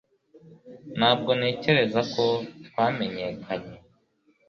Ntabwo ntekereza ko twamenyekanye